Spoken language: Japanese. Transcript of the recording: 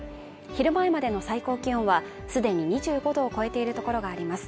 昼前までの最高気温はすでに２５度を超えている所があります